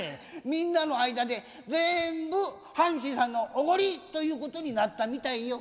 みんなの間でぜんぶ阪神さんのおごりということになったみたいよ。